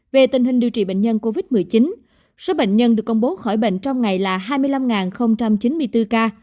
về tình hình điều trị bệnh nhân covid một mươi chín số bệnh nhân được công bố khỏi bệnh trong ngày là hai mươi năm chín mươi bốn ca